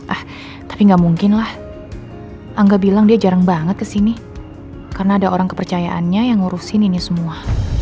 ah tapi gak mungkin lah angga bilang dia jarang banget kesini karena ada orang kepercayaannya yang ngurusin ini semua